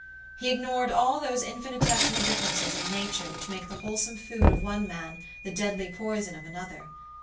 He ignored all those infinitesimal differences in nature which make the wholesome food of one man the deadly poison of another.